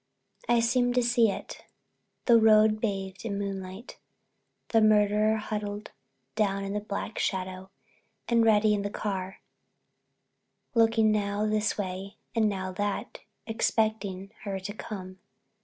I seemed to see it: the road bathed in moonlight, the murderer huddled down in the black shadow, and Reddy in the car looking now this way and now that, expecting her to come.